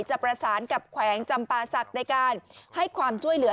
จะประสานกับแขวงจำปาศักดิ์ในการให้ความช่วยเหลือ